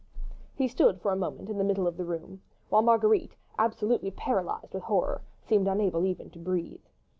He stood for a moment in the middle of the room, whilst Marguerite, absolutely paralysed with horror, seemed unable even to breathe.